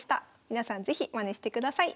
皆さん是非まねしてください。